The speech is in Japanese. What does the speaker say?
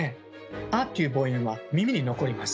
「ア」という母音は耳に残ります。